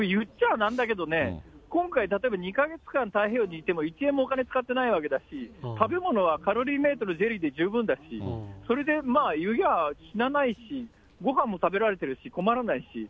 なんだけどね、今回、例えば２か月間一円もお金使ってないわけだし、食べ物はカロリーメイトのゼリーで十分だし、それでまあ、いやあ死なないし、ごはんも食べられてるし、困らないし。